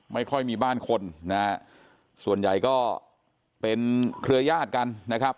ไม่ค่อยมีบ้านคนนะฮะส่วนใหญ่ก็เป็นเครือยาศกันนะครับ